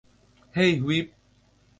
হেই, whip.